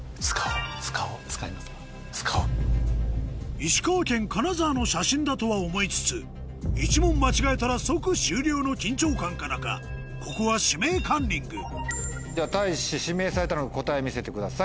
石川県金沢の写真だとは思いつつ１問間違えたら即終了の緊張感からかここは「指名カンニング」ではたいし指名されたので答え見せてください。